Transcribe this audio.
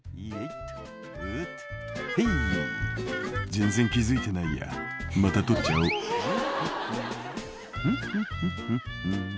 「全然気付いてないやまた取っちゃおう」「フンフンフンフン」